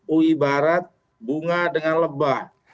ui barat bunga dengan lebah